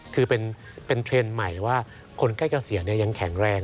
คือเป็นเทรนด์ใหม่ว่าคนใกล้เกษียณยังแข็งแรง